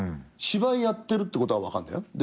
芝居やってるってことは分かんだよ。